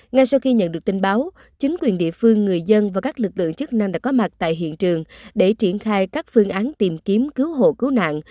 ngay sau khi nhận được tin báo chính quyền địa phương người dân và các lực lượng chức năng đã có mặt tại hiện trường để triển khai các phương án tìm kiếm cứu hộ cứu nạn